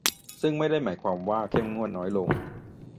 ซึ่งไม่ได้หมายความว่าเข้มงวดน้อยลง